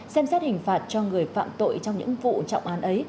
xem xét hình phạt cho người phạm tội trong những vụ trọng án ấy